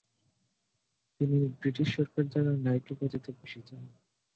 তিনি ব্রিটিশ সরকার দ্বারা নাইট উপাধিতে ভূষিত হন।